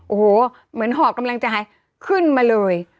โอ้โหเหมือนหอบกำลังใจขึ้นมาเลย